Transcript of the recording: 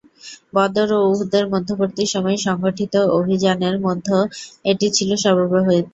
বদর ও উহুদের মধ্যবর্তী সময়ে সংঘটিত অভিযানের মধ্যে এটি ছিল সর্ববৃহৎ।